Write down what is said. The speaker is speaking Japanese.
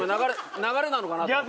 流れなのかなと思って。